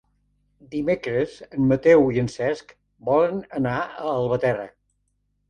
Dimecres en Mateu i en Cesc volen anar a Albatera.